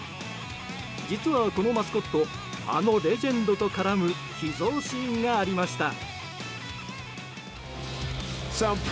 実は、このマスコットあのレジェンドと絡む秘蔵シーンがありました。